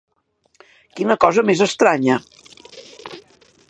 Quina cosa més estranya!